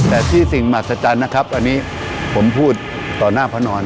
แต่ที่สิ่งมหัศจรรย์นะครับอันนี้ผมพูดต่อหน้าพระนอน